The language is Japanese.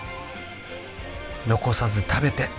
「残さず食べて」